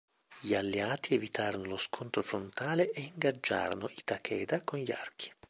Gli alleati evitarono lo scontro frontale e ingaggiarono i Takeda con gli archi.